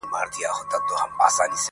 o د وخت ناخوالي كاږم.